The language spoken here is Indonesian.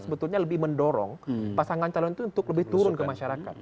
sebetulnya lebih mendorong pasangan calon itu untuk lebih turun ke masyarakat